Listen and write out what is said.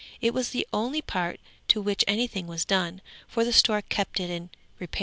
It was the only part to which anything was done, for the stork kept it in repair.